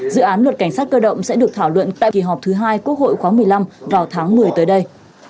dự án luật cảnh sát cơ động sẽ được thảo luận tại kỳ họp thứ hai quốc hội khóa một mươi năm vào tháng một mươi tới đây